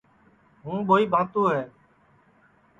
ہوں ٻوہی بھاتو ہے